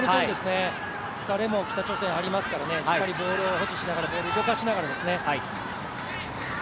疲れも北朝鮮ありますから、しっかりボールを保持しながらボール動かしながらですね。